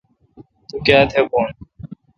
تو کایتھ بھو۔